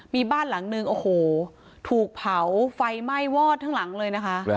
มีบ้านหลังนึงโอ้โหถูกเผาไฟไหม้วอดทั้งหลังเลยนะคะ